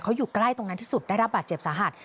เขาอยู่ใกล้ตรงนั้นที่สุดได้รับบาดเจ็บสาหัส